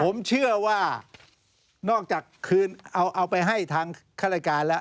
ผมเชื่อว่านอกจากเอาไปให้ทางฆาตการแล้ว